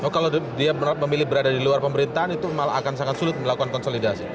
kalau dia memilih berada di luar pemerintahan itu akan sangat sulit melakukan konsolidasi